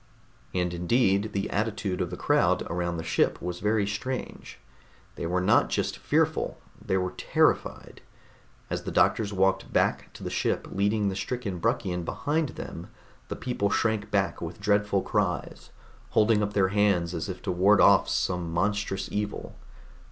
And indeed, the attitude of the crowd around the ship was very strange. They were not just fearful; they were terrified. As the doctors walked back to the ship leading the stricken Bruckian behind them, the people shrank back with dreadful cries, holding up their hands as if to ward off some monstrous evil.